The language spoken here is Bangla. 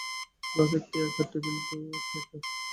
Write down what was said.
গ্লাস একটি আকার, টেবিলটিও একটি আকার।